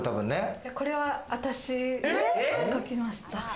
これは私が描きました。